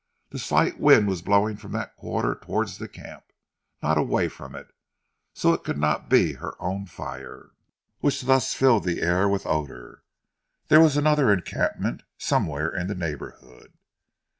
The slight wind was blowing from that quarter towards the camp and not away from it, so it could not be her own fire, which thus filled the air with odour. There was another encampment somewhere in the neighbourhood.